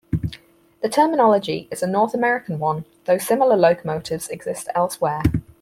The terminology is a North American one, though similar locomotives exist elsewhere.